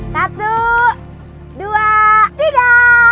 satu dua tiga